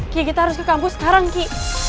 ki kita harus ke kampus sekarang ki